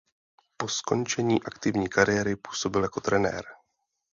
Po skončení aktivní kariéry působil jako trenér.